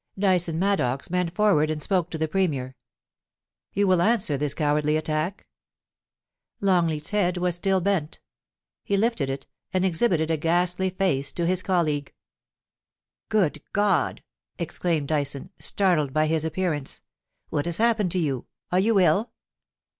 Dyson Maddox bent forward and spoke to the Premier :* You will answer this cowardly attack ?* Longleat's head was still bent ; he lifted it, and exhibited a ghastly face to his colleague. * Good God !' exclaimed Dyson, startled by his appear ance. * \Vhat has happened to you ? Are you ill